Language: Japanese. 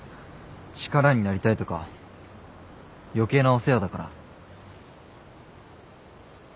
力になりたいとか余計なお世話だから。